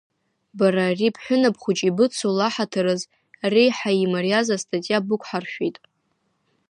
Бара ари бҳәынаԥ хәыҷы ибыцу лаҳаҭыраз, реиҳа имариаз астатиа бықәҳаршәеит!